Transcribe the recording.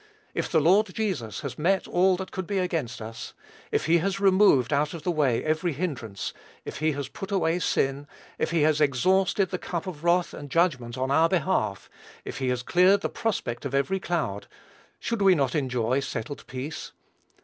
If the Lord Jesus has met all that could be against us, if he has removed out of the way every hindrance, if he has put away sin, if he has exhausted the cup of wrath and judgment on our behalf, if he has cleared the prospect of every cloud, should we not enjoy settled peace?